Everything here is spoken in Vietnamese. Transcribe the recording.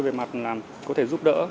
về mặt là có thể giúp đỡ